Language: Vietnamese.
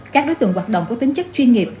các đối tượng hoạt động có tính chất chuyên nghiệp